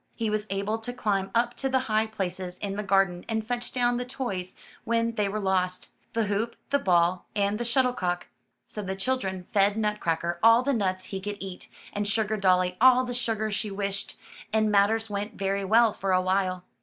He was able to climb up to the high places in the garden and fetch down the toys when they were lost — the hoop, the ball, and the shuttlecock. So the children fed Nutcracker all the nuts he could eat, and Sugar dolly all the sugar she wished, and matters went very well for a while.